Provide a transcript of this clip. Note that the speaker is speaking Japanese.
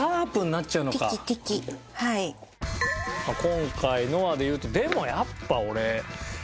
今回のはで言うとでもやっぱ俺。